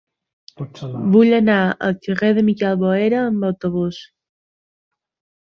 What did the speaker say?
Vull anar al carrer de Miquel Boera amb autobús.